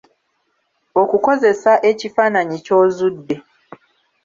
Okukozesa ekifaananyi ky'ozudde.